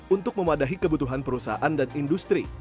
untuk memadahi kebutuhan perusahaan dan industri